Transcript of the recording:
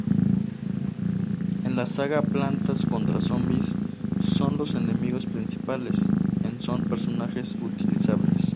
En la saga Plantas contra Zombis son los enemigos principales, en son personajes utilizables.